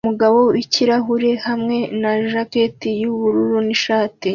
umugabo wikirahure hamwe na jaketi yubururu nishati